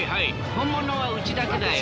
本物はうちだけだよ。